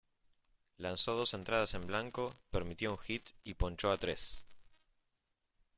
Lanzó dos entradas en blanco, permitió un hit y ponchó a tres.